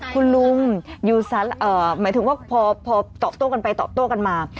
คุณลุงอยู่หมายถึงว่าพอตอบโต้กันไปตอบโต้กันมา